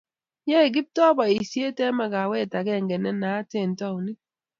yoei Kiptoo boisie eng makawet agenge ne naat eng taunit